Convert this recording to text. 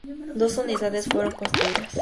Dos unidades fueron construidas.